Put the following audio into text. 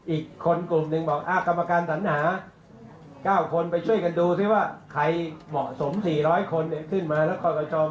อีกคนกลุ่มหนึ่งบอกกรรมการสัญหา๙คนไปช่วยกันดูสิว่าใครเหมาะสม๔๐๐คนขึ้นมาแล้วกรกต